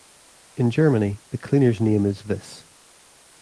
In Germany, the cleaner's name is Viss.